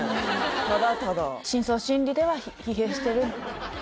ただただ深層心理では疲弊してるんだよ